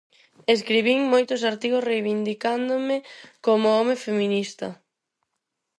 Escribín moitos artigos reivindicándome como home feminista.